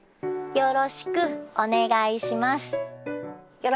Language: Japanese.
よろしくお願いします。